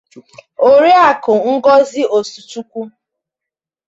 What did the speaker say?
Oriakụ Ngozi Osuchukwu